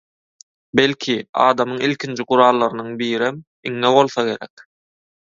Belki, adamyň ilkinji gurallarynyň birem iňňe bolsa gerek